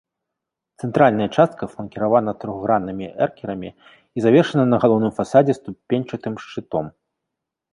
Цэнтральная частка фланкіравана трохграннымі эркерамі і завершана на галоўным фасадзе ступеньчатым шчытом.